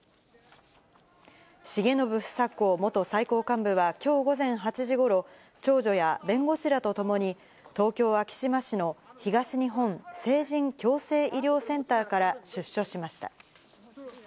重信房子元最高幹部はきょう午前８時ごろ、長女や弁護士らと共に、東京・昭島市の東日本成人矯正医療センターから出所しました。